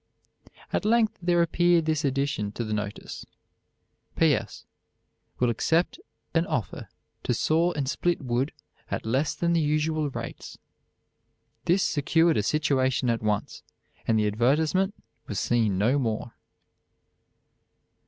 At length there appeared this addition to the notice: "P. S. Will accept an offer to saw and split wood at less than the usual rates." This secured a situation at once, and the advertisement was seen no more.